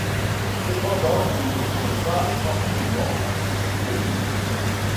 Cependant, ils ne sont pas forcément accessibles au public.